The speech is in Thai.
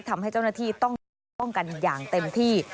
ทำให้เจ้าหน้าที่ต้องกันอย่างเต็มที่